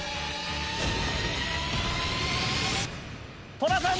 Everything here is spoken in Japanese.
戸田さん